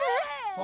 あ？